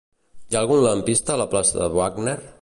Hi ha algun lampista a la plaça de Wagner?